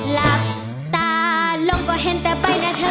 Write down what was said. หลับตาลงก็เห็นแต่ไปนะเธอ